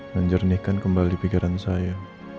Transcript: menjernihkan kembali pikiran saya